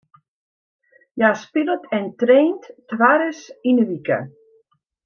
Hja spilet en traint twaris yn de wike.